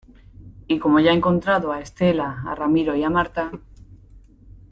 y como ya he encontrado a Estela, a Ramiro y a Marta...